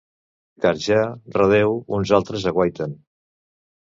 Car ja —redéu—, uns altres aguaiten.